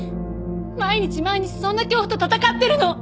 毎日毎日そんな恐怖と闘ってるの！